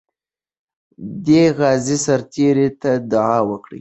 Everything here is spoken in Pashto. دې غازي سرتیري ته دعا وکړه.